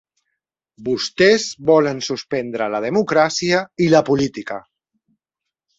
Vostès volen suspendre la democràcia i la política.